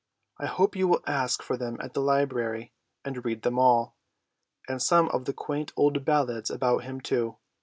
I hope you will ask for them at the library and read them all, and some of the quaint old ballads about him too.